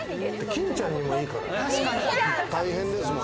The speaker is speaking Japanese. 金ちゃんにもいいからね。